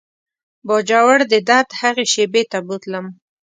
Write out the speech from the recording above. باجوړ د درد هغې شېبې ته بوتلم.